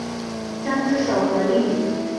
三只手合力。